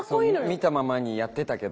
見たままにやってたけど。